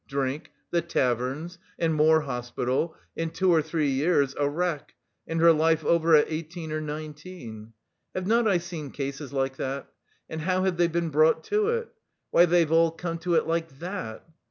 drink... the taverns... and more hospital, in two or three years a wreck, and her life over at eighteen or nineteen.... Have not I seen cases like that? And how have they been brought to it? Why, they've all come to it like that.